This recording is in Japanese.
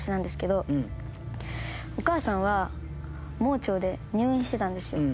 お母さんは盲腸で入院してたんですよ。